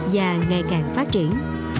và ngày càng phát triển